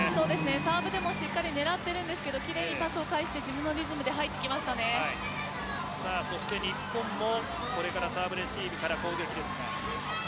サーブでもしっかり狙っていますが奇麗にパスを返して自分のリズムでそして日本も、これからサーブレシーブから攻撃です。